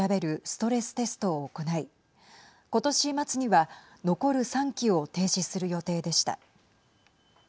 ストレステストを行い今年末には、残る３基を停止する予定でした。